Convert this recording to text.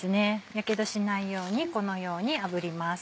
やけどしないようにこのようにあぶります。